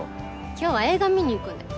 今日は映画見に行くんだよ。